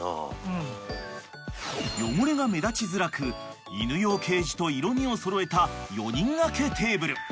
［汚れが目立ちづらく犬用ケージと色味を揃えた４人掛けテーブル］